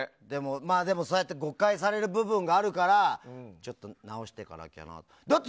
でもそうやって誤解される部分があるからちょっと直してかなきゃなって。